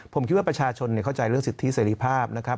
ผมคิดว่าประชาชนเข้าใจเรื่องสิทธิเสรีภาพนะครับ